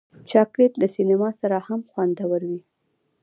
چاکلېټ له سینما سره هم خوندور وي.